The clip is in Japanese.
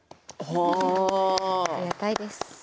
ありがたいです。